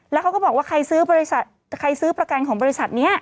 แล้วเขาก็บอกว่าใครซื้อประกันของบริษัทนี้